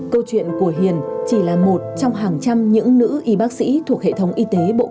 câu chuyện của hiền chỉ là một trong hàng trăm những nữ y bác sĩ thuộc hệ thống y tế bộ công ty